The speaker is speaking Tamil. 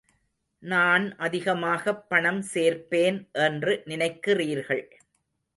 நான் அதிகமாகப் பணம் சேர்ப்பேன் என்று நினைக்கிறீர்கள்.